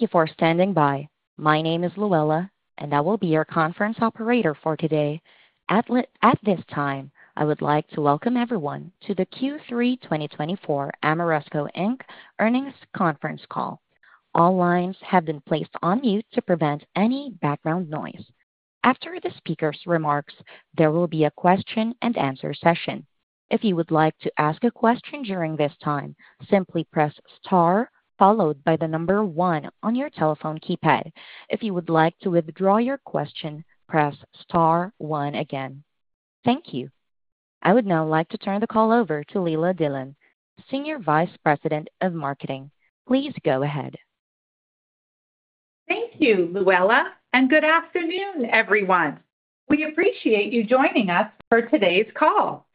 Thank you for standing by. My name is Luella, and I will be your conference operator for today. At this time, I would like to welcome everyone to the Q3 2024 Ameresco Inc. earnings conference call. All lines have been placed on mute to prevent any background noise. After the speaker's remarks, there will be a question-and-answer session. If you would like to ask a question during this time, simply press star, followed by the number one on your telephone keypad. If you would like to withdraw your question, press star one again. Thank you. I would now like to turn the call over to Leila Dillon, Senior Vice President of Marketing. Please go ahead. Thank you, Leila, and good afternoon, everyone. We appreciate you joining us for today's call.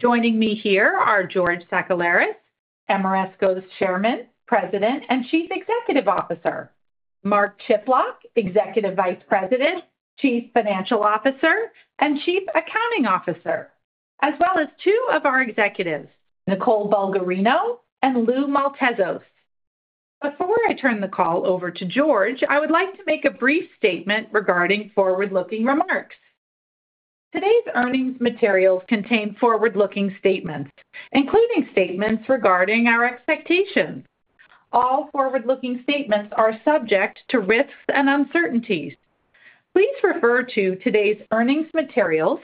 Joining me here are George Sakellaris, Ameresco's Chairman, President, and Chief Executive Officer, Mark Chiplock, Executive Vice President, Chief Financial Officer, and Chief Accounting Officer, as well as two of our executives, Nicole Bulgarino and Lou Maltezos. Before I turn the call over to George, I would like to make a brief statement regarding forward-looking remarks. Today's earnings materials contain forward- looking statements, including statements regarding our expectations. All forward-looking statements are subject to risks and uncertainties. Please refer to today's earnings materials,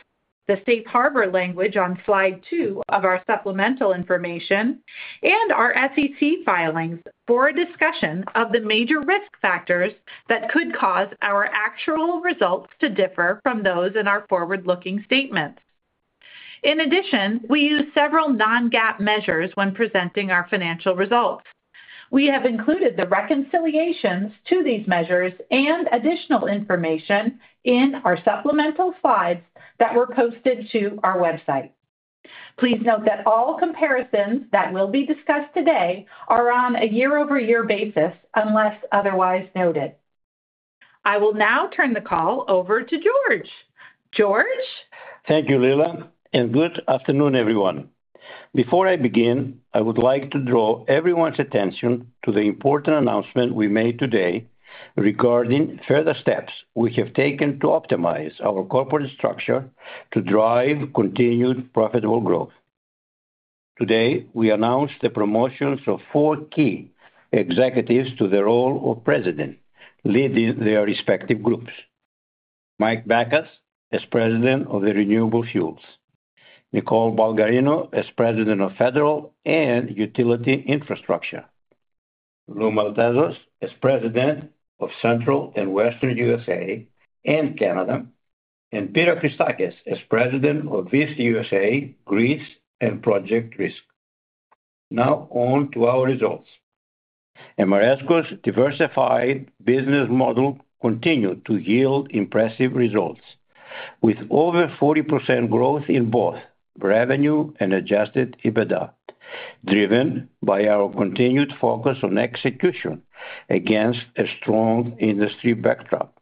the safe harbor language on slide two of our supplemental information, and our SEC filings for a discussion of the major risk factors that could cause our actual results to differ from those in our forward-looking statements. In addition, we use several non-GAAP measures when presenting our financial results. We have included the reconciliations to these measures and additional information in our supplemental slides that were posted to our website. Please note that all comparisons that will be discussed today are on a year-over-year basis, unless otherwise noted. I will now turn the call over to George. George. Thank you, Leila, and good afternoon, everyone. Before I begin, I would like to draw everyone's attention to the important announcement we made today regarding further steps we have taken to optimize our corporate structure to drive continued profitable growth. Today, we announced the promotions of four key executives to the role of President, leading their respective groups: Mike Backus as President of Renewable Fuels, Nicole Bulgarino as President of Federal and Utility Infrastructure, Lou Maltezos as President of Central and Western USA and Canada, and Peter Christakis as President of East USA, Greece, and Project Risk. Now, on to our results. Ameresco's diversified business model continued to yield impressive results, with over 40% growth in both revenue and Adjusted EBITDA, driven by our continued focus on execution against a strong industry backdrop.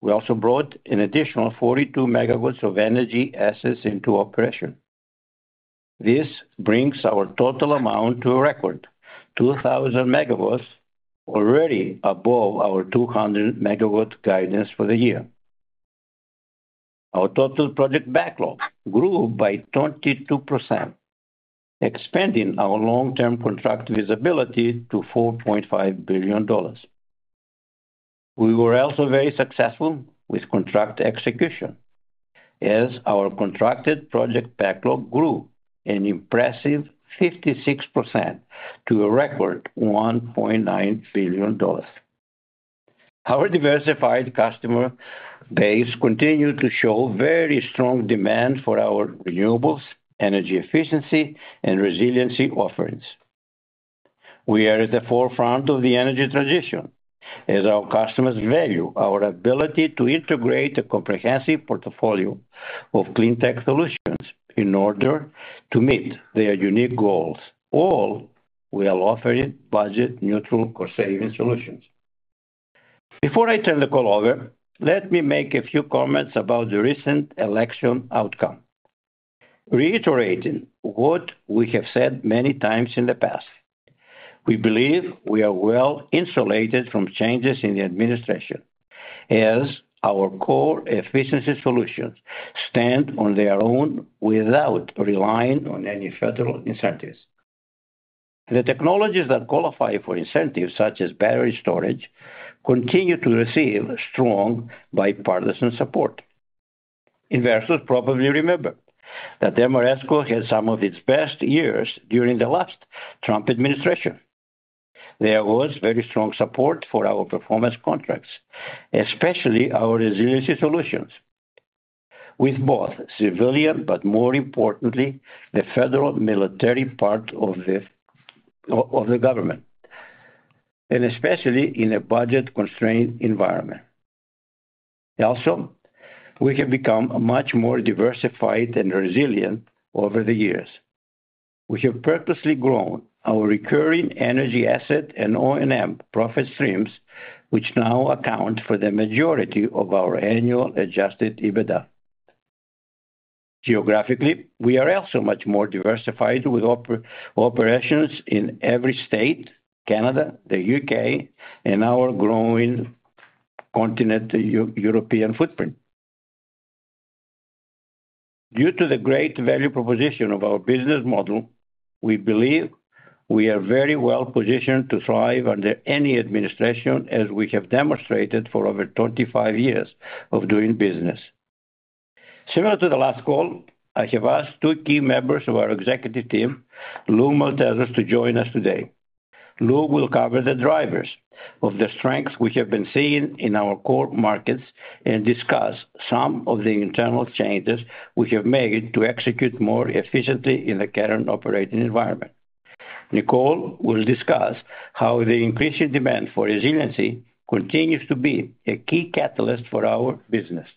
We also brought an additional 42 megawatts of energy assets into operation. This brings our total amount to a record, 2,000 megawatts, already above our 200-megawatt guidance for the year. Our total project backlog grew by 22%, expanding our long-term contract visibility to $4.5 billion. We were also very successful with contract execution, as our contracted project backlog grew an impressive 56% to a record $1.9 billion. Our diversified customer base continued to show very strong demand for our renewables, energy efficiency, and resiliency offerings. We are at the forefront of the energy transition, as our customers value our ability to integrate a comprehensive portfolio of clean tech solutions in order to meet their unique goals, all while offering budget-neutral cost-saving solutions. Before I turn the call over, let me make a few comments about the recent election outcome. Reiterating what we have said many times in the past, we believe we are well insulated from changes in the administration, as our core efficiency solutions stand on their own without relying on any federal incentives. The technologies that qualify for incentives, such as battery storage, continue to receive strong bipartisan support. Investors probably remember that Ameresco had some of its best years during the last Trump administration. There was very strong support for our performance contracts, especially our resiliency solutions, with both civilian, but more importantly, the federal military part of the government, and especially in a budget-constrained environment. Also, we have become much more diversified and resilient over the years. We have purposely grown our recurring energy asset and O&M profit streams, which now account for the majority of our annual Adjusted EBITDA. Geographically, we are also much more diversified with operations in every state, Canada, the U.K., and our growing continental European footprint. Due to the great value proposition of our business model, we believe we are very well positioned to thrive under any administration, as we have demonstrated for over 25 years of doing business. Similar to the last call, I have asked two key members of our executive team, Lou Maltezos, to join us today. Lou will cover the drivers of the strengths we have been seeing in our core markets and discuss some of the internal changes we have made to execute more efficiently in the current operating environment. Nicole will discuss how the increasing demand for resiliency continues to be a key catalyst for our business.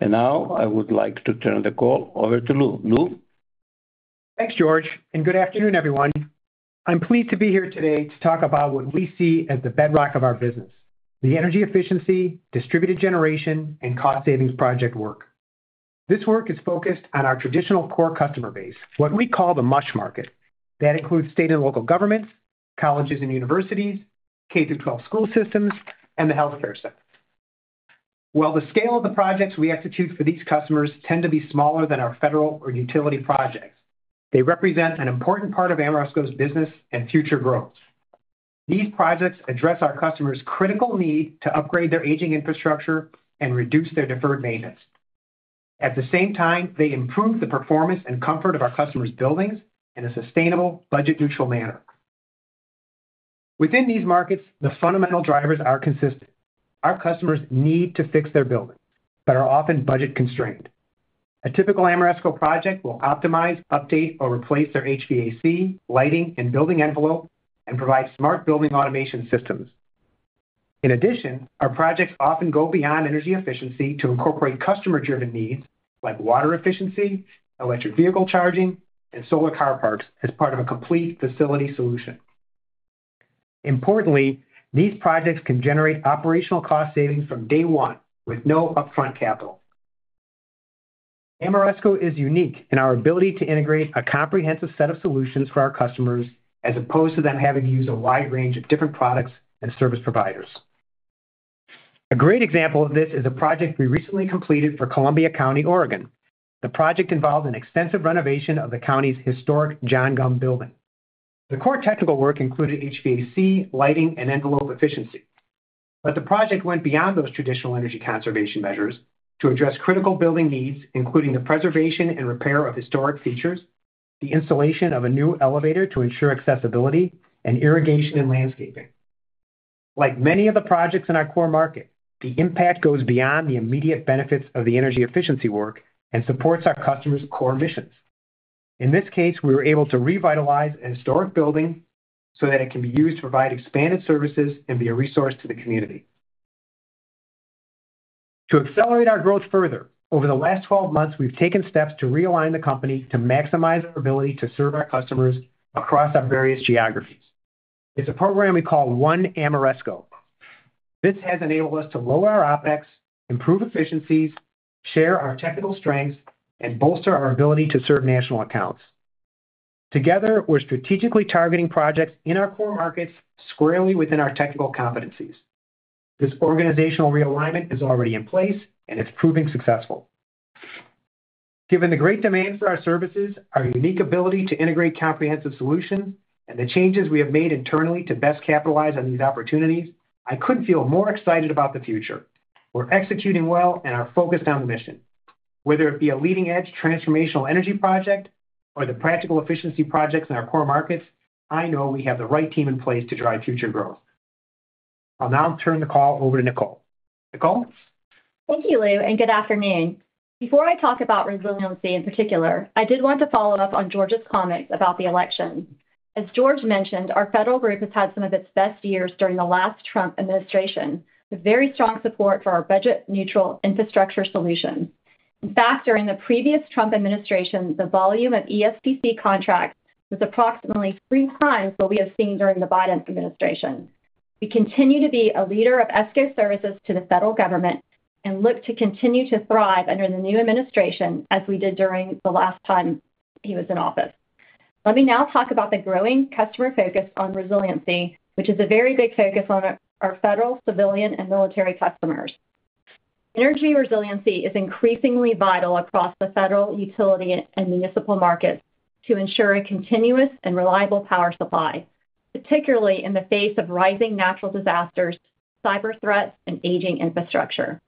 And now, I would like to turn the call over to Lou. Lou. Thanks, George, and good afternoon, everyone. I'm pleased to be here today to talk about what we see as the bedrock of our business: the energy efficiency, distributed generation, and cost-savings project work. This work is focused on our traditional core customer base, what we call the MUSH market. That includes state and local governments, colleges and universities, K through 12 school systems, and the healthcare sector. While the scale of the projects we execute for these customers tend to be smaller than our federal or utility projects, they represent an important part of Ameresco's business and future growth. These projects address our customers' critical need to upgrade their aging infrastructure and reduce their deferred maintenance. At the same time, they improve the performance and comfort of our customers' buildings in a sustainable, budget-neutral manner. Within these markets, the fundamental drivers are consistent. Our customers need to fix their buildings but are often budget-constrained. A typical Ameresco project will optimize, update, or replace their HVAC, lighting, and building envelope, and provide smart building automation systems. In addition, our projects often go beyond energy efficiency to incorporate customer-driven needs like water efficiency, electric vehicle charging, and solar car parks as part of a complete facility solution. Importantly, these projects can generate operational cost savings from day one with no upfront capital. Ameresco is unique in our ability to integrate a comprehensive set of solutions for our customers as opposed to them having to use a wide range of different products and service providers. A great example of this is a project we recently completed for Columbia County, Oregon. The project involved an extensive renovation of the county's historic John Gumm Building. The core technical work included HVAC, lighting, and envelope efficiency. But the project went beyond those traditional energy conservation measures to address critical building needs, including the preservation and repair of historic features, the installation of a new elevator to ensure accessibility, and irrigation and landscaping. Like many of the projects in our core market, the impact goes beyond the immediate benefits of the energy efficiency work and supports our customers' core missions. In this case, we were able to revitalize a historic building so that it can be used to provide expanded services and be a resource to the community. To accelerate our growth further, over the last 12 months, we've taken steps to realign the company to maximize our ability to serve our customers across our various geographies. It's a program we call One Ameresco. This has enabled us to lower our OpEx, improve efficiencies, share our technical strengths, and bolster our ability to serve national accounts. Together, we're strategically targeting projects in our core markets squarely within our technical competencies. This organizational realignment is already in place, and it's proving successful. Given the great demand for our services, our unique ability to integrate comprehensive solutions, and the changes we have made internally to best capitalize on these opportunities, I couldn't feel more excited about the future. We're executing well, and our focus on the mission. Whether it be a leading-edge transformational energy project or the practical efficiency projects in our core markets, I know we have the right team in place to drive future growth. I'll now turn the call over to Nicole. Nicole? Thank you, Lou, and good afternoon. Before I talk about resiliency in particular, I did want to follow up on George's comments about the election. As George mentioned, our federal group has had some of its best years during the last Trump administration, with very strong support for our budget-neutral infrastructure solutions. In fact, during the previous Trump administration, the volume of ESPC contracts was approximately three times what we have seen during the Biden administration. We continue to be a leader of ESCO services to the federal government and look to continue to thrive under the new administration as we did during the last time he was in office. Let me now talk about the growing customer focus on resiliency, which is a very big focus on our federal, civilian, and military customers. Energy resiliency is increasingly vital across the federal, utility, and municipal markets to ensure a continuous and reliable power supply, particularly in the face of rising natural disasters, cyber threats, and aging infrastructure.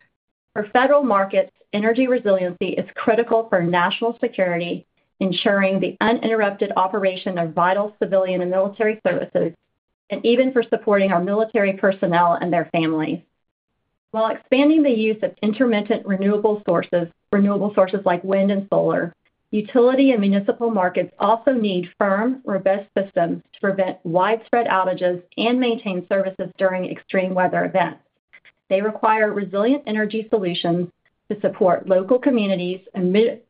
For federal markets, energy resiliency is critical for national security, ensuring the uninterrupted operation of vital civilian and military services, and even for supporting our military personnel and their families. While expanding the use of intermittent renewable sources, renewable sources like wind and solar, utility and municipal markets also need firm, robust systems to prevent widespread outages and maintain services during extreme weather events. They require resilient energy solutions to support local communities,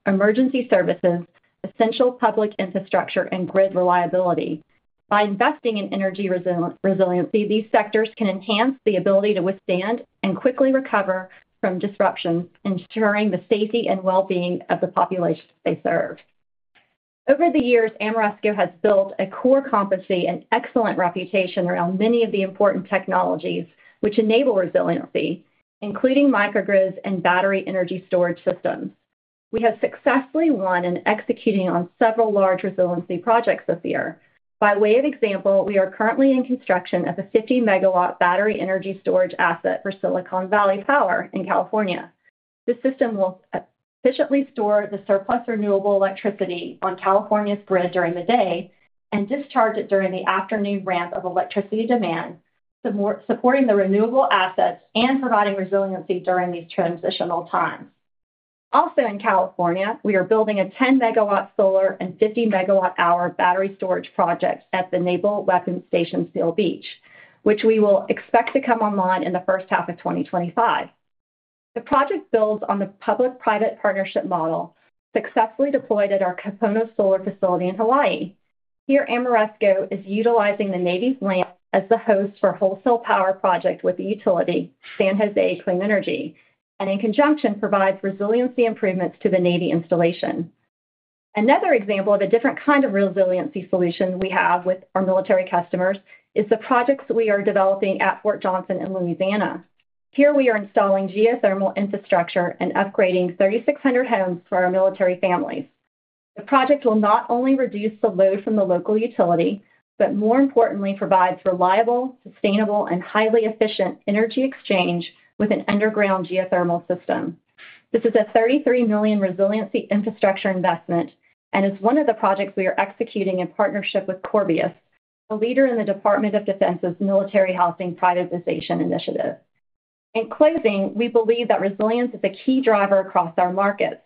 emergency services, essential public infrastructure, and grid reliability. By investing in energy resiliency, these sectors can enhance the ability to withstand and quickly recover from disruptions, ensuring the safety and well-being of the populations they serve. Over the years, Ameresco has built a core competency and excellent reputation around many of the important technologies which enable resiliency, including microgrids and battery energy storage systems. We have successfully won in executing on several large resiliency projects this year. By way of example, we are currently in construction of a 50-megawatt battery energy storage asset for Silicon Valley Power in California. This system will efficiently store the surplus renewable electricity on California's grid during the day and discharge it during the afternoon ramp of electricity demand, supporting the renewable assets and providing resiliency during these transitional times. Also, in California, we are building a 10-megawatt solar and 50-megawatt hour battery storage project at the Naval Weapons Station, Seal Beach, which we will expect to come online in the first half of 2025. The project builds on the public-private partnership model successfully deployed at our Kūpono Solar facility in Hawaii. Here, Ameresco is utilizing the Navy's land as the host for a wholesale power project with the utility, San Jose Clean Energy, and in conjunction provides resiliency improvements to the Navy installation. Another example of a different kind of resiliency solution we have with our military customers is the projects we are developing at Fort Johnson in Louisiana. Here, we are installing geothermal infrastructure and upgrading 3,600 homes for our military families. The project will not only reduce the load from the local utility, but more importantly, provides reliable, sustainable, and highly efficient energy exchange with an underground geothermal system. This is a $33 million resiliency infrastructure investment and is one of the projects we are executing in partnership with Corvias, a leader in the Department of Defense's Military Housing Privatization Initiative. In closing, we believe that resilience is a key driver across our markets.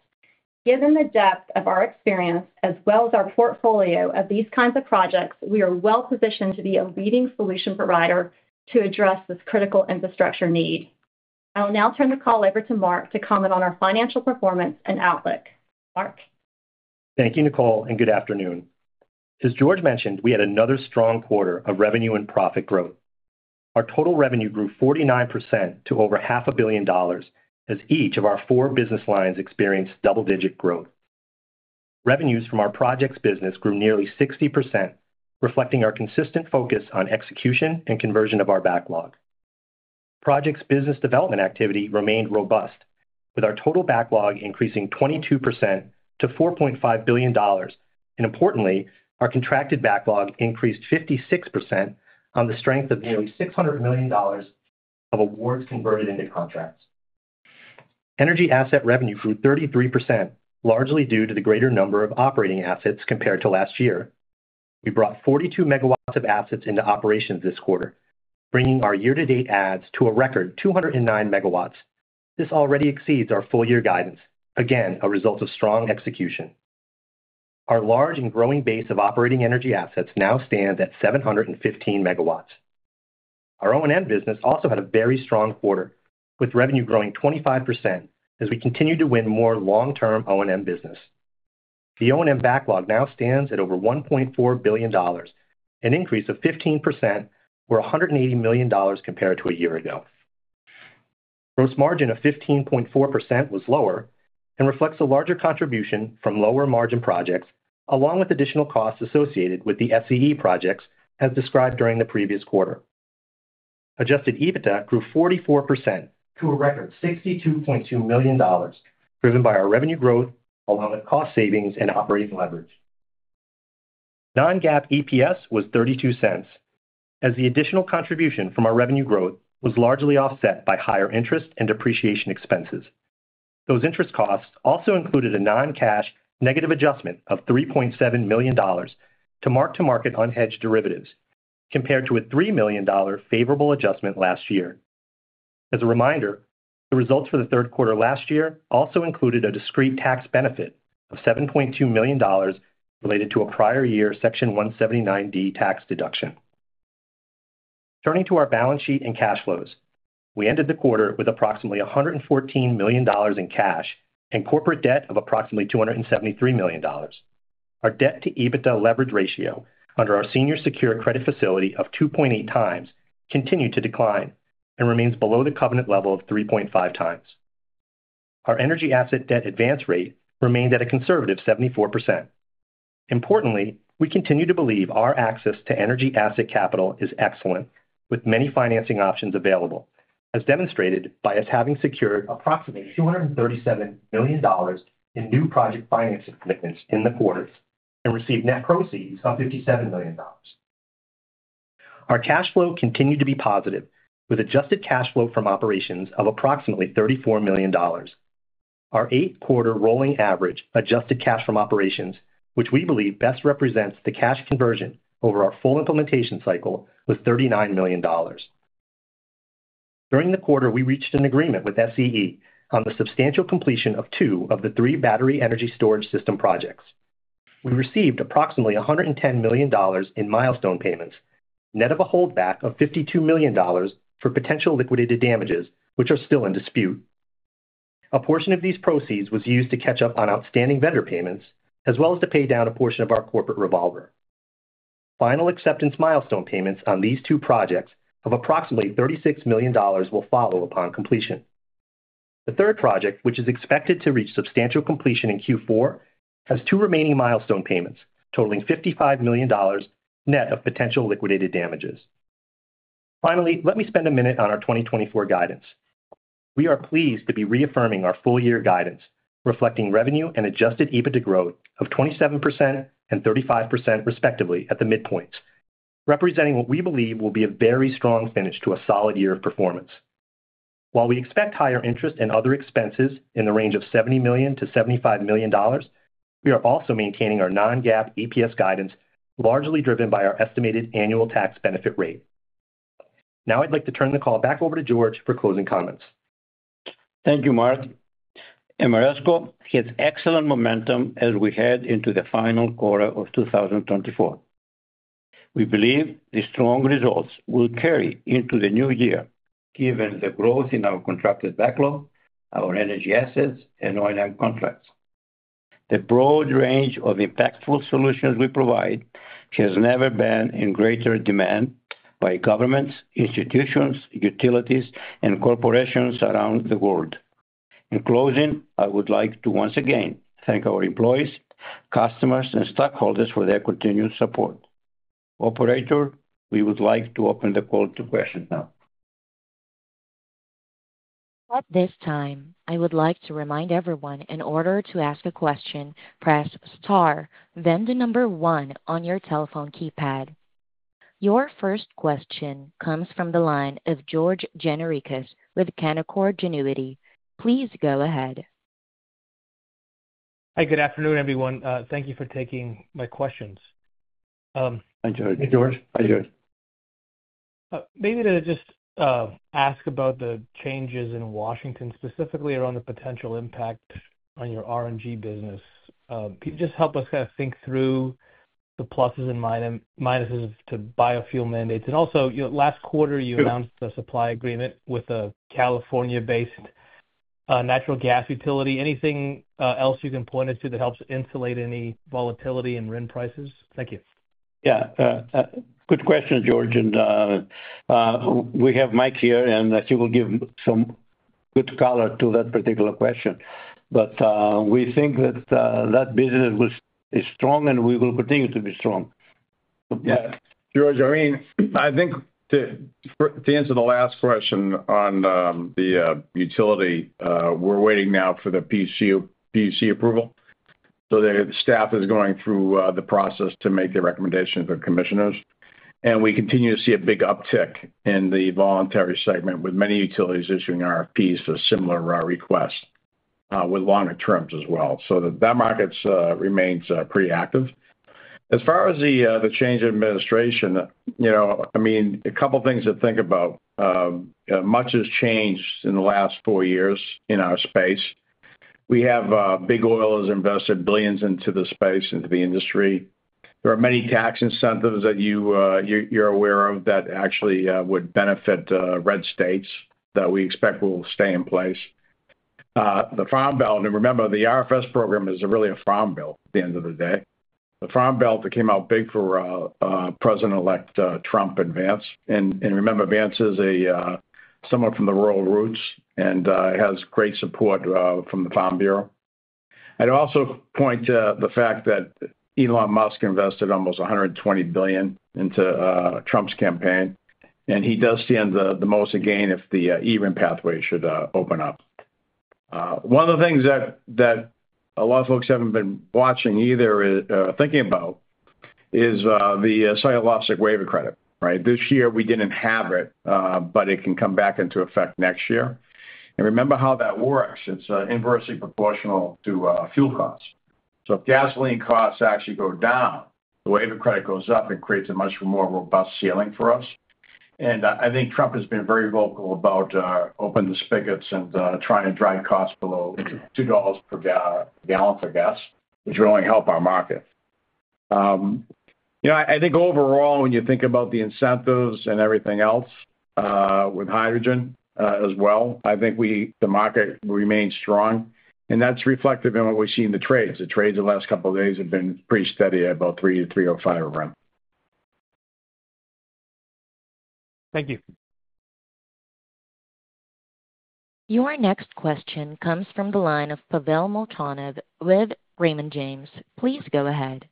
Given the depth of our experience as well as our portfolio of these kinds of projects, we are well positioned to be a leading solution provider to address this critical infrastructure need. I'll now turn the call over to Mark to comment on our financial performance and outlook. Mark. Thank you, Nicole, and good afternoon. As George mentioned, we had another strong quarter of revenue and profit growth. Our total revenue grew 49% to over $500 million as each of our four business lines experienced double-digit growth. Revenues from our projects business grew nearly 60%, reflecting our consistent focus on execution and conversion of our backlog. Projects business development activity remained robust, with our total backlog increasing 22% to $4.5 billion, and importantly, our contracted backlog increased 56% on the strength of nearly $600 million of awards converted into contracts. Energy asset revenue grew 33%, largely due to the greater number of operating assets compared to last year. We brought 42 megawatts of assets into operations this quarter, bringing our year-to-date adds to a record 209 megawatts. This already exceeds our full-year guidance, again a result of strong execution. Our large and growing base of operating energy assets now stands at 715 megawatts. Our O&M business also had a very strong quarter, with revenue growing 25% as we continue to win more long-term O&M business. The O&M backlog now stands at over $1.4 billion, an increase of 15%, or $180 million compared to a year ago. Gross margin of 15.4% was lower and reflects a larger contribution from lower margin projects, along with additional costs associated with the SCE projects as described during the previous quarter. Adjusted EBITDA grew 44% to a record $62.2 million, driven by our revenue growth along with cost savings and operating leverage. Non-GAAP EPS was $0.32, as the additional contribution from our revenue growth was largely offset by higher interest and depreciation expenses. Those interest costs also included a non-cash negative adjustment of $3.7 million to mark-to-market unhedged derivatives, compared to a $3 million favorable adjustment last year. As a reminder, the results for the third quarter last year also included a discrete tax benefit of $7.2 million related to a prior year Section 179D tax deduction. Turning to our balance sheet and cash flows, we ended the quarter with approximately $114 million in cash and corporate debt of approximately $273 million. Our debt-to-EBITDA leverage ratio under our senior secure credit facility of 2.8 times continued to decline and remains below the covenant level of 3.5 times. Our energy asset debt advance rate remained at a conservative 74%. Importantly, we continue to believe our access to energy asset capital is excellent, with many financing options available, as demonstrated by us having secured approximately $237 million in new project financing commitments in the quarter and received net proceeds of $57 million. Our cash flow continued to be positive, with adjusted cash flow from operations of approximately $34 million. Our eighth quarter rolling average adjusted cash from operations, which we believe best represents the cash conversion over our full implementation cycle, was $39 million. During the quarter, we reached an agreement with SCE on the substantial completion of two of the three battery energy storage system projects. We received approximately $110 million in milestone payments, net of a holdback of $52 million for potential liquidated damages, which are still in dispute. A portion of these proceeds was used to catch up on outstanding vendor payments, as well as to pay down a portion of our corporate revolver. Final acceptance milestone payments on these two projects of approximately $36 million will follow upon completion. The third project, which is expected to reach substantial completion in Q4, has two remaining milestone payments totaling $55 million net of potential liquidated damages. Finally, let me spend a minute on our 2024 guidance. We are pleased to be reaffirming our full-year guidance, reflecting revenue and Adjusted EBITDA growth of 27% and 35%, respectively, at the midpoint, representing what we believe will be a very strong finish to a solid year of performance. While we expect higher interest and other expenses in the range of $70 million to $75 million, we are also maintaining our non-GAAP EPS guidance, largely driven by our estimated annual tax benefit rate. Now, I'd like to turn the call back over to George for closing comments. Thank you, Mark. Ameresco has excellent momentum as we head into the final quarter of 2024. We believe the strong results will carry into the new year, given the growth in our contracted backlog, our energy assets, and O&M contracts. The broad range of impactful solutions we provide has never been in greater demand by governments, institutions, utilities, and corporations around the world. In closing, I would like to once again thank our employees, customers, and stockholders for their continued support. Operator, we would like to open the call to questions now. At this time, I would like to remind everyone in order to ask a question, press star, then the number one on your telephone keypad. Your first question comes from the line of George Gianarikas with Canaccord Genuity. Please go ahead. Hi, good afternoon, everyone. Thank you for taking my questions. Hi, George. Hi, George. Maybe to just ask about the changes in Washington, specifically around the potential impact on your RNG business. Can you just help us kind of think through the pluses and minuses to biofuel mandates? And also, last quarter, you announced a supply agreement with a California-based natural gas utility. Anything else you can point us to that helps insulate any volatility in RIN prices? Thank you. Yeah. Good question, George. And we have Mike here, and I think we'll give some good color to that particular question. But we think that that business is strong, and we will continue to be strong. Yeah. George, I mean, I think to answer the last question on the utility, we're waiting now for the PUC approval. So the staff is going through the process to make the recommendations of commissioners. We continue to see a big uptick in the voluntary segment, with many utilities issuing RFPs for similar requests with longer terms as well. That market remains pretty active. As far as the change in administration, I mean, a couple of things to think about. Much has changed in the last four years in our space. We have big oilers invested billions into the space, into the industry. There are many tax incentives that you're aware of that actually would benefit red states that we expect will stay in place. The farm belt, and remember, the RFS program is really a farm bill at the end of the day. The farm belt that came out big for President-elect Trump and Vance. And remember, Vance is someone from the rural roots and has great support from the Farm Bureau. I'd also point to the fact that Elon Musk invested almost $120 billion into Trump's campaign, and he does stand the most to gain if the eRIN pathway should open up. One of the things that a lot of folks haven't been watching either or thinking about is the psychological waiver credit, right? This year, we didn't have it, but it can come back into effect next year. And remember how that works. It's inversely proportional to fuel costs. So if gasoline costs actually go down, the waiver credit goes up and creates a much more robust ceiling for us. And I think Trump has been very vocal about opening the spigots and trying to drive costs below $2 per gallon for gas, which will only help our market. I think overall, when you think about the incentives and everything else with hydrogen as well, I think the market remains strong. And that's reflective in what we see in the trades. The trades the last couple of days have been pretty steady, about $3-$3.05 a RIN. Thank you. Your next question comes from the line of Pavel Molchanov with Raymond James. Please go ahead.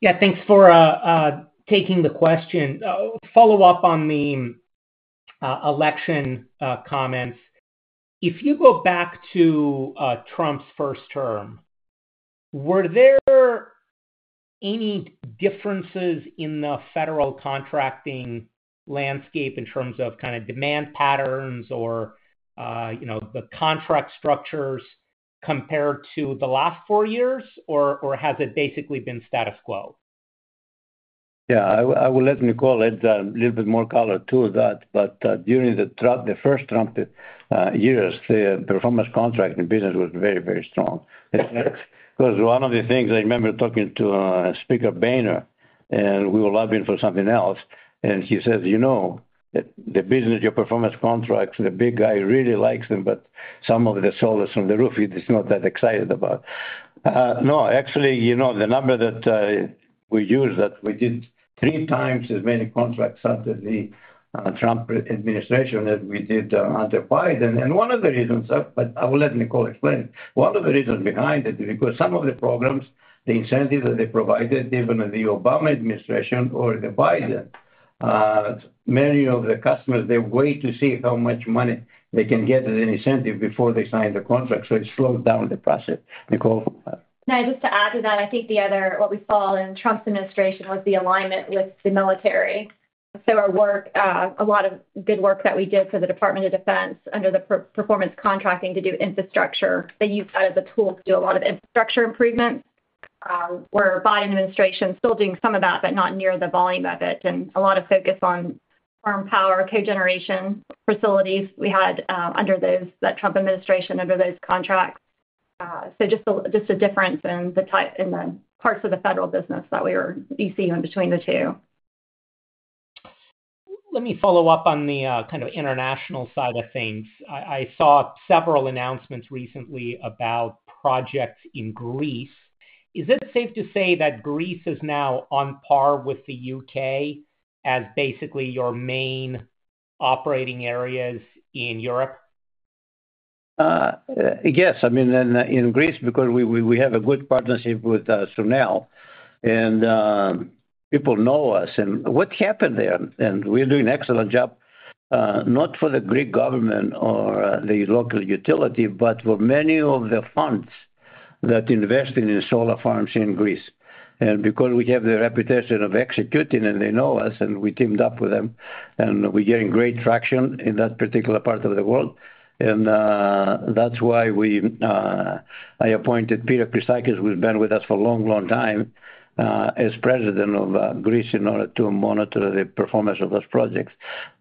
Yeah, thanks for taking the question. Follow up on the election comments. If you go back to Trump's first term, were there any differences in the federal contracting landscape in terms of kind of demand patterns or the contract structures compared to the last four years, or has it basically been status quo? Yeah, I will let Nicole add a little bit more color to that. But during the first Trump years, the performance contracting business was very, very strong. Because one of the things I remember talking to Speaker Boehner, and we were lobbying for something else, and he says, "You know, the business, your performance contracts, the big guy really likes them, but some of the soldiers on the roof, he's not that excited about." No, actually, the number that we used, that we did three times as many contracts under the Trump administration as we did under Biden. And one of the reasons, but I will let Nicole explain it, one of the reasons behind it is because some of the programs, the incentives that they provided, even in the Obama administration or the Biden, many of the customers, they wait to see how much money they can get as an incentive before they sign the contract. So it slows down the process. Nicole? No, just to add to that, I think the other, what we saw in Trump's administration was the alignment with the military. So our work, a lot of good work that we did for the Department of Defense under the performance contracting to do infrastructure, they used that as a tool to do a lot of infrastructure improvements. Where the Biden administration is still doing some of that, but not near the volume of it. And a lot of focus on firm power, cogeneration facilities we had under that Trump administration, under those contracts. So just a difference in the parts of the federal business that we see between the two. Let me follow up on the kind of international side of things. I saw several announcements recently about projects in Greece. Is it safe to say that Greece is now on par with the U.K. as basically your main operating areas in Europe? Yes. I mean, in Greece, because we have a good partnership with Sunel, and people know us. And what happened there? And we're doing an excellent job, not for the Greek government or the local utility, but for many of the funds that invested in solar farms in Greece. And because we have the reputation of executing, and they know us, and we teamed up with them, and we're getting great traction in that particular part of the world. And that's why I appointed Peter Christakis, who's been with us for a long, long time, as president of Greece in order to monitor the performance of those projects.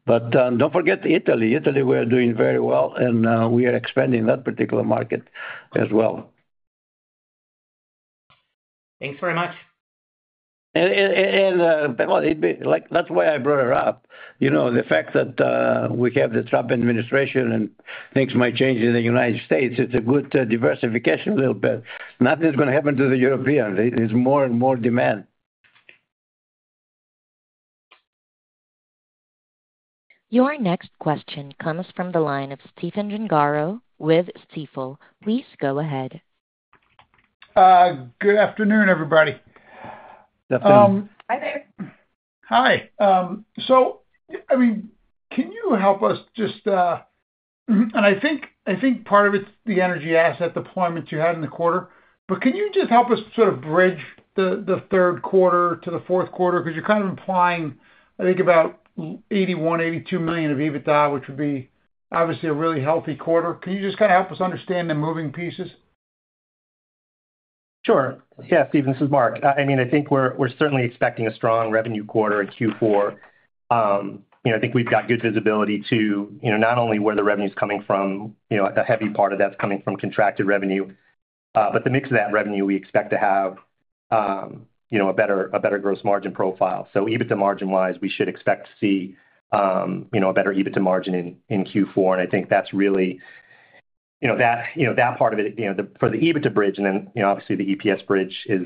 But don't forget Italy. Italy, we're doing very well, and we are expanding that particular market as well. Thanks very much. And that's why I brought it up. The fact that we have the Trump administration and things might change in the United States, it's a good diversification a little bit. Nothing's going to happen to the Europeans. There's more and more demand. Your next question comes from the line of Stephen Gengaro with Stifel. Please go ahead. Good afternoon, everybody. Stephanie. Hi. So I mean, can you help us just, and I think part of it's the energy asset deployment you had in the quarter, but can you just help us sort of bridge the third quarter to the fourth quarter? Because you're kind of implying, I think, about $81-$82 million of EBITDA, which would be obviously a really healthy quarter. Can you just kind of help us understand the moving pieces? Sure. Yeah, Stephen, this is Mark. I mean, I think we're certainly expecting a strong revenue quarter in Q4. I think we've got good visibility to not only where the revenue's coming from, a heavy part of that's coming from contracted revenue, but the mix of that revenue, we expect to have a better gross margin profile. So EBITDA margin-wise, we should expect to see a better EBITDA margin in Q4. And I think that's really that part of it for the EBITDA bridge, and then obviously the EPS bridge is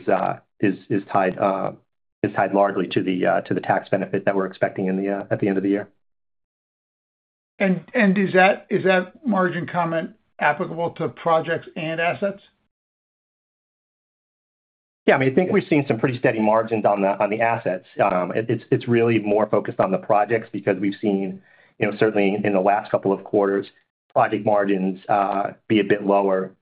tied largely to the tax benefit that we're expecting at the end of the year. Is that margin comment applicable to projects and assets? Yeah. I mean, I think we've seen some pretty steady margins on the assets. It's really more focused on the projects because we've seen, certainly in the last couple of quarters, project margins be a bit lower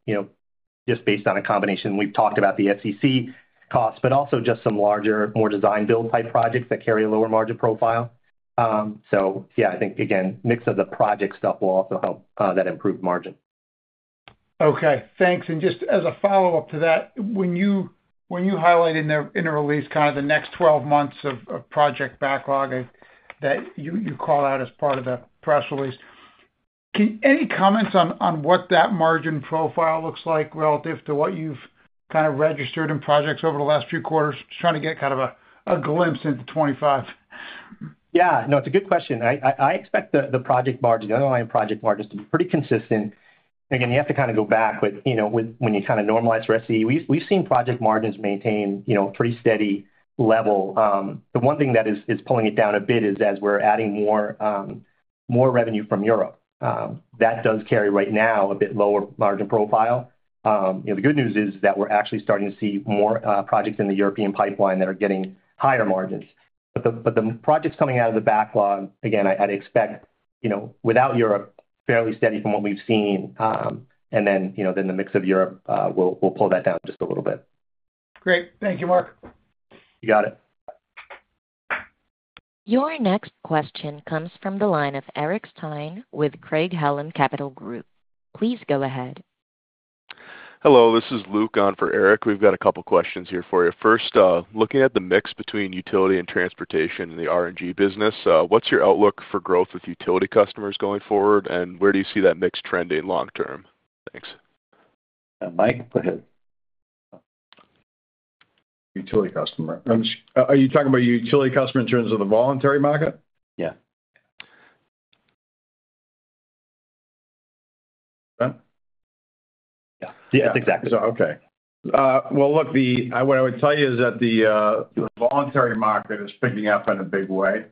just based on a combination. We've talked about the SCE costs, but also just some larger, more Design-Build type projects that carry a lower margin profile. So yeah, I think, again, mix of the project stuff will also help that improved margin. Okay. Thanks, and just as a follow-up to that, when you highlight in the release kind of the next 12 months of project backlog that you call out as part of the press release, any comments on what that margin profile looks like relative to what you've kind of registered in projects over the last few quarters? Just trying to get kind of a glimpse into 2025. Yeah. No, it's a good question. I expect the project margin, the underlying project margin, to be pretty consistent. Again, you have to kind of go back when you kind of normalize for SCE. We've seen project margins maintain a pretty steady level. The one thing that is pulling it down a bit is as we're adding more revenue from Europe. That does carry right now a bit lower margin profile. The good news is that we're actually starting to see more projects in the European pipeline that are getting higher margins. But the projects coming out of the backlog, again, I'd expect without Europe, fairly steady from what we've seen. And then the mix of Europe will pull that down just a little bit. Great. Thank you, Mark. You got it. Your next question comes from the line of Eric Stine with Craig-Hallum Capital Group. Please go ahead. Hello. This is Luke on for Eric. We've got a couple of questions here for you. First, looking at the mix between utility and transportation in the RNG business, what's your outlook for growth with utility customers going forward, and where do you see that mix trending long-term? Thanks. Mike, go ahead. Utility customer? Are you talking about utility customer in terms of the voluntary market? Yeah. Yeah. Yeah, that's exactly. Okay. Well, look, what I would tell you is that the voluntary market is picking up in a big way.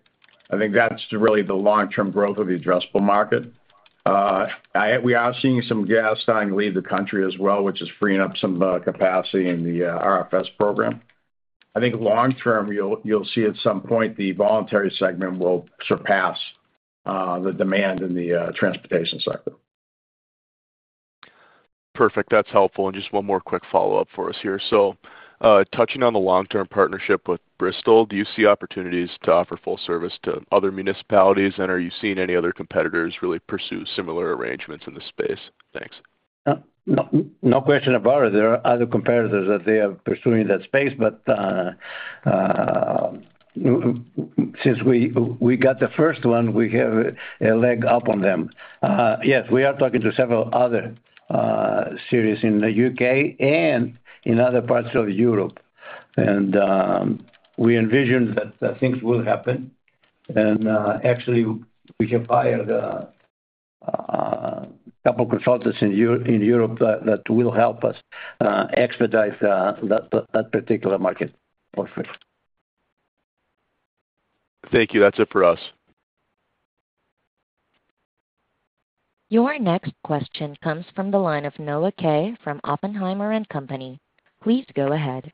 I think that's really the long-term growth of the addressable market. We are seeing some gas starting to leave the country as well, which is freeing up some capacity in the RFS program. I think long-term, you'll see at some point the voluntary segment will surpass the demand in the transportation sector. Perfect. That's helpful. And just one more quick follow-up for us here. So touching on the long-term partnership with Bristol, do you see opportunities to offer full service to other municipalities, and are you seeing any other competitors really pursue similar arrangements in the space? Thanks. No question about it. There are other competitors that they are pursuing that space, but since we got the first one, we have a leg up on them. Yes, we are talking to several other cities in the U.K. and in other parts of Europe. And we envision that things will happen. And actually, we have hired a couple of consultants in Europe that will help us expedite that particular market. Perfect. Thank you. That's it for us. Your next question comes from the line of Noah Kaye from Oppenheimer & Co. Please go ahead.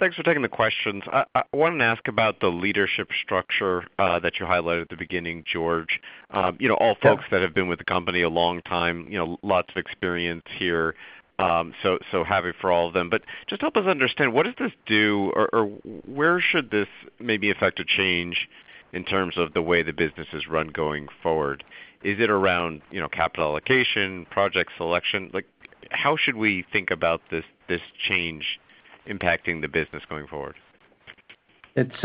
Thanks for taking the questions. I wanted to ask about the leadership structure that you highlighted at the beginning, George. All folks that have been with the company a long time, lots of experience here, so happy for all of them. But just help us understand, what does this do, or where should this maybe affect a change in terms of the way the business is run going forward? Is it around capital allocation, project selection? How should we think about this change impacting the business going forward? It's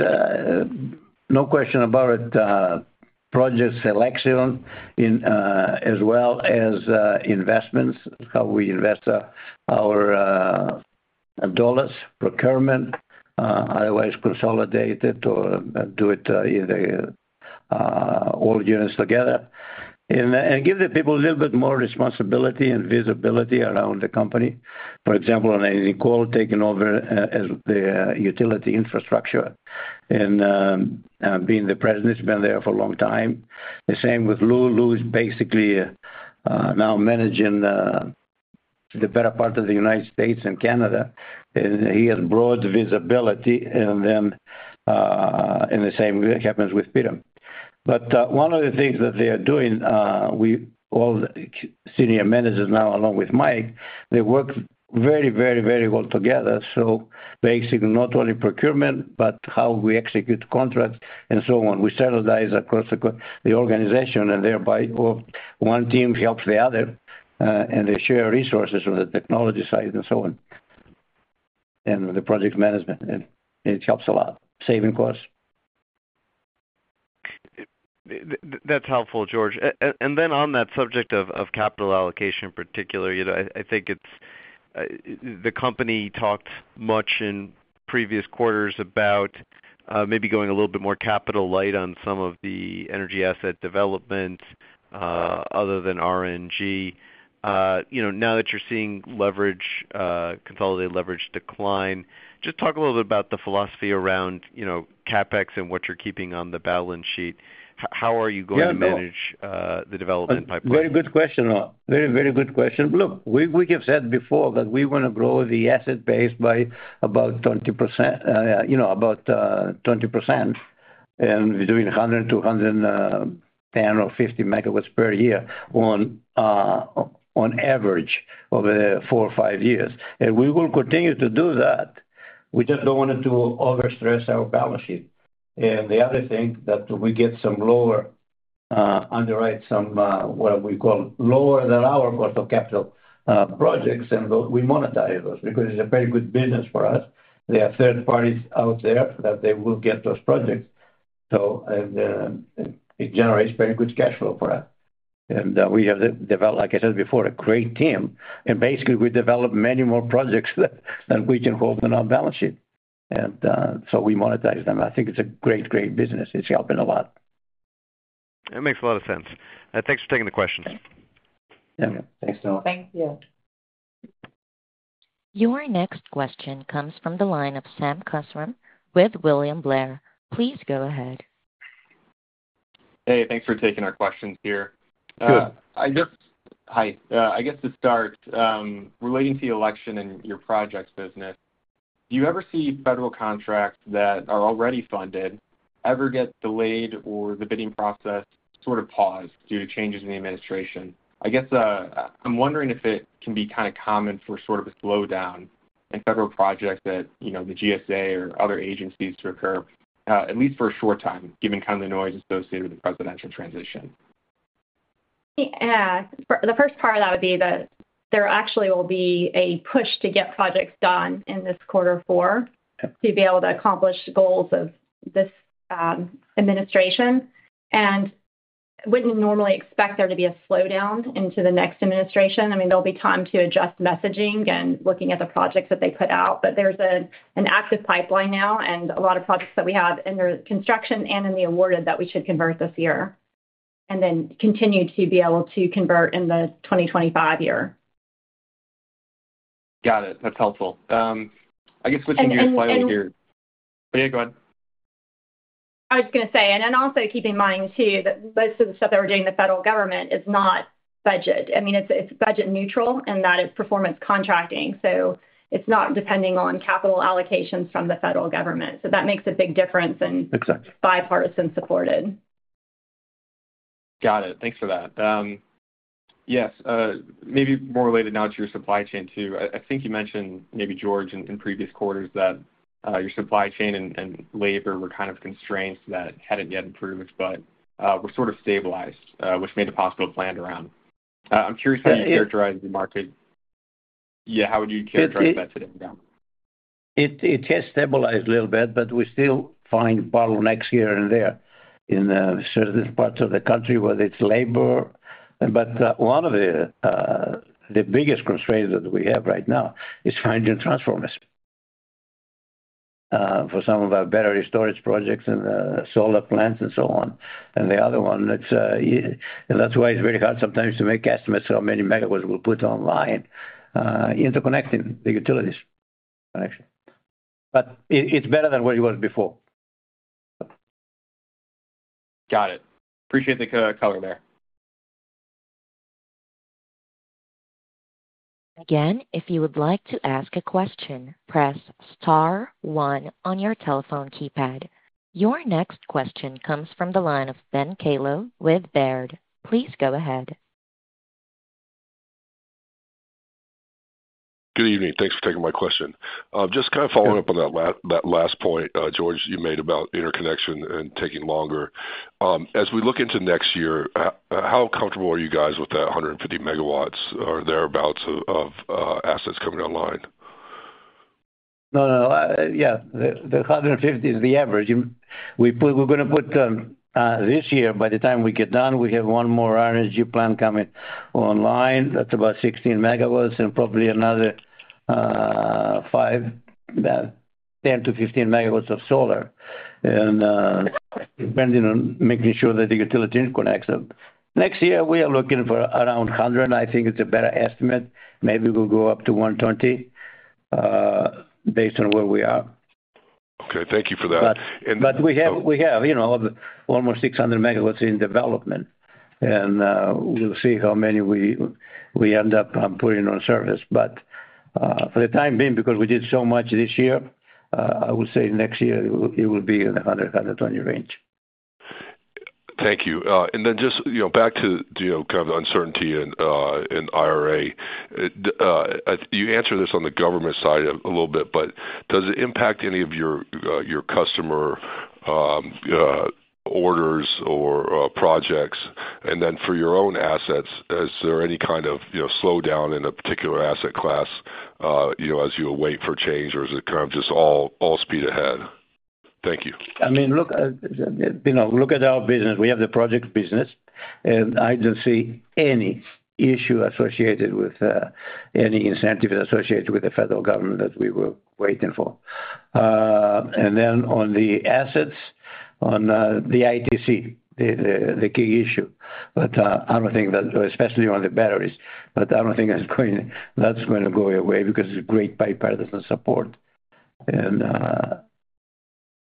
no question about it. Project selection as well as investments, how we invest our dollars, procurement, otherwise consolidate it or do it in all units together. And give the people a little bit more responsibility and visibility around the company. For example, Nicole taking over the utility infrastructure and being the president, she's been there for a long time. The same with Lou. Lou's basically now managing the better part of the United States and Canada, and he has broad visibility. And then in the same way, it happens with Peter. But one of the things that they are doing, all the senior managers now, along with Mike, they work very, very, very well together. So basically, not only procurement, but how we execute contracts and so on. We standardize across the organization, and thereby one team helps the other, and they share resources on the technology side and so on, and the project management, it helps a lot, saving costs. That's helpful, George. And then on that subject of capital allocation in particular, I think the company talked much in previous quarters about maybe going a little bit more capital light on some of the energy asset development other than R&G. Now that you're seeing leverage, consolidated leverage decline, just talk a little bit about the philosophy around CapEx and what you're keeping on the balance sheet. How are you going to manage the development pipeline? Very good question. Very, very good question. Look, we have said before that we want to grow the asset base by about 20%, about 20%, and between 100 to 110 or 15 megawatts per year on average over four or five years. And we will continue to do that. We just don't want to overstress our balance sheet. And the other thing that we get some lower underwrite, what we call lower than our cost of capital projects, and we monetize those because it's a very good business for us. They have third parties out there that they will get those projects. And it generates very good cash flow for us. And we have, like I said before, a great team. And basically, we develop many more projects than we can hold in our balance sheet. And so we monetize them. I think it's a great, great business. It's helping a lot. That makes a lot of sense. Thanks for taking the questions. Thanks, Noah. Thank you. Your next question comes from the line of Sam Kusswurm with William Blair. Please go ahead. Hey, thanks for taking our questions here. Sure. Hi. I guess to start, relating to the election and your projects business, do you ever see federal contracts that are already funded ever get delayed or the bidding process sort of paused due to changes in the administration? I guess I'm wondering if it can be kind of common for sort of a slowdown in federal projects at the GSA or other agencies to occur, at least for a short time, given kind of the noise associated with the presidential transition. The first part of that would be that there actually will be a push to get projects done in this quarter four to be able to accomplish the goals of this administration, and wouldn't normally expect there to be a slowdown into the next administration. I mean, there'll be time to adjust messaging and looking at the projects that they put out, but there's an active pipeline now, and a lot of projects that we have in the construction and in the awarded that we should convert this year and then continue to be able to convert in the 2025 year. Got it. That's helpful. I guess switching gears slightly here. Absolutely. Yeah, go ahead. I was just going to say, and then also keep in mind too that most of the stuff that we're doing, the federal government is not budget. I mean, it's budget neutral in that it's performance contracting. So it's not depending on capital allocations from the federal government. So that makes a big difference and bipartisan supported. Got it. Thanks for that. Yes. Maybe more related now to your supply chain too. I think you mentioned, maybe George, in previous quarters that your supply chain and labor were kind of constraints that hadn't yet improved, but were sort of stabilized, which made it possible to plan around. I'm curious how you characterize the market. Yeah. How would you characterize that today? It has stabilized a little bit, but we still find bottlenecks here and there in certain parts of the country where it's labor. But one of the biggest constraints that we have right now is finding transformers for some of our battery storage projects and solar plants and so on. And the other one, and that's why it's very hard sometimes to make estimates how many megawatts we'll put online interconnecting the utilities. But it's better than what it was before. Got it. Appreciate the color there. Again, if you would like to ask a question, press star one on your telephone keypad. Your next question comes from the line of Ben Kallo with Baird. Please go ahead. Good evening. Thanks for taking my question. Just kind of following up on that last point, George, you made about interconnection and taking longer. As we look into next year, how comfortable are you guys with that 150 megawatts or thereabouts of assets coming online? No, no. Yeah. The 150 is the average. We're going to put this year, by the time we get done, we have one more RNG plant coming online. That's about 16 megawatts and probably another 5, 10 to 15 megawatts of solar, and depending on making sure that the utility interconnects. Next year, we are looking for around. I think it's a better estimate. Maybe we'll go up to 120 based on where we are. Okay. Thank you for that. But we have almost 600 megawatts in development. And we'll see how many we end up putting on service. But for the time being, because we did so much this year, I would say next year it will be in the 100-120 range. Thank you. And then just back to kind of the uncertainty in IRA. You answered this on the government side a little bit, but does it impact any of your customer orders or projects? And then for your own assets, is there any kind of slowdown in a particular asset class as you await for change, or is it kind of just all speed ahead? Thank you. I mean, look at our business. We have the project business, and I don't see any issue associated with any incentives associated with the federal government that we were waiting for, and then on the assets, on the ITC, the key issue. But I don't think that, especially on the batteries, but I don't think that's going to go away because it's great bipartisan support, and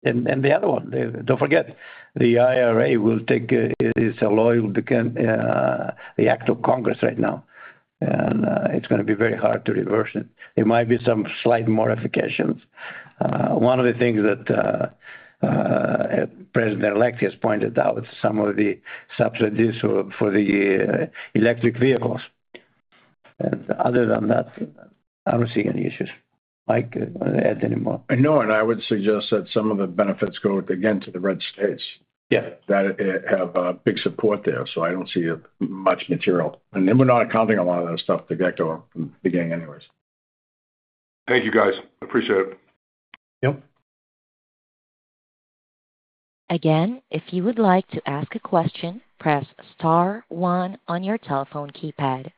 the other one, don't forget, the IRA will take its toll, but it's an act of Congress right now. And it's going to be very hard to reverse it. There might be some slight modifications. One of the things that the President-elect has pointed out, some of the subsidies for the electric vehicles. And other than that, I don't see any issues. Mike, do you want to add any more? No, and I would suggest that some of the benefits go again to the red states that have big support there. So I don't see much material. And then we're not accounting a lot of that stuff to get going from the beginning anyways. Thank you, guys. Appreciate it. Yep. Again, if you would like to ask a question, press star one on your telephone keypad.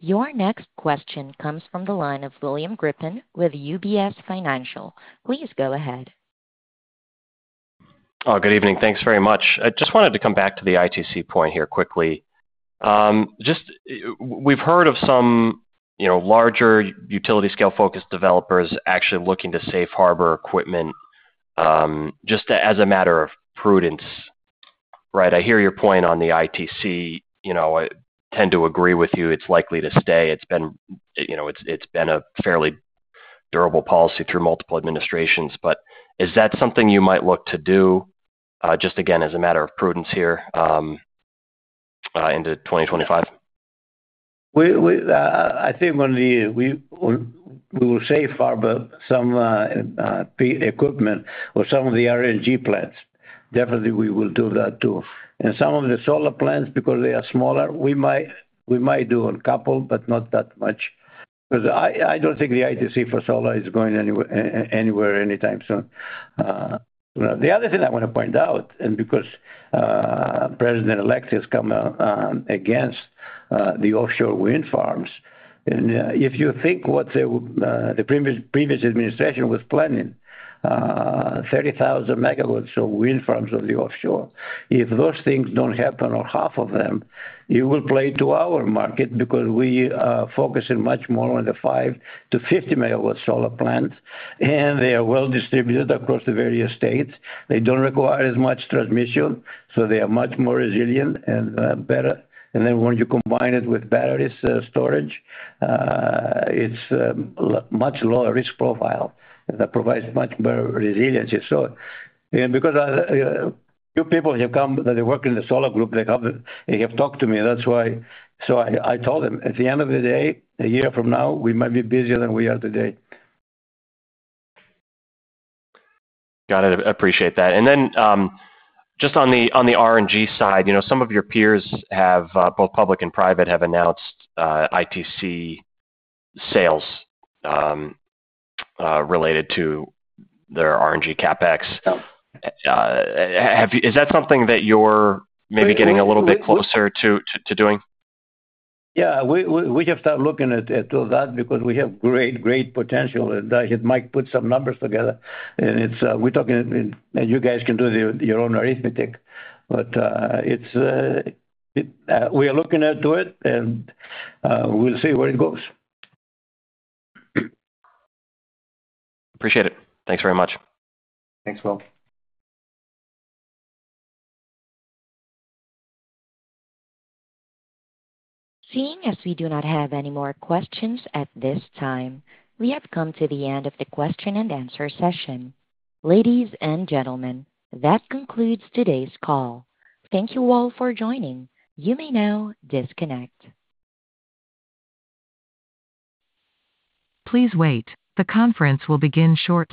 Your next question comes from the line of William Grippin with UBS Financial Services. Please go ahead. Good evening. Thanks very much. I just wanted to come back to the ITC point here quickly. We've heard of some larger utility-scale focus developers actually looking to safe harbor equipment just as a matter of prudence. Right? I hear your point on the ITC. I tend to agree with you. It's likely to stay. It's been a fairly durable policy through multiple administrations. But is that something you might look to do just again as a matter of prudence here into 2025? I think one of the we will safe harbor some equipment or some of the R&G plants. Definitely, we will do that too. And some of the solar plants, because they are smaller, we might do a couple, but not that much. Because I don't think the ITC for solar is going anywhere anytime soon. The other thing I want to point out, and because President-elect has come against the offshore wind farms, and if you think what the previous administration was planning, 30,000 megawatts of wind farms on the offshore, if those things don't happen or half of them, it will play to our market because we focus in much more on the 5-50 megawatts solar plants, and they are well distributed across the various states. They don't require as much transmission, so they are much more resilient and better. And then when you combine it with battery storage, it's a much lower risk profile that provides much better resiliency. And because a few people have come that are working in the solar group, they have talked to me. That's why I told them, at the end of the day, a year from now, we might be busier than we are today. Got it. Appreciate that. And then just on the R&G side, some of your peers, both public and private, have announced ITC sales related to their R&G CapEx. Is that something that you're maybe getting a little bit closer to doing? Yeah. We have started looking at that because we have great, great potential. Mike put some numbers together, and we're talking that you guys can do your own arithmetic. But we are looking into it, and we'll see where it goes. Appreciate it. Thanks very much. Thanks, Paul. Seeing as we do not have any more questions at this time, we have come to the end of the question and answer session. Ladies and gentlemen, that concludes today's call. Thank you all for joining. You may now disconnect. Please wait. The conference will begin shortly.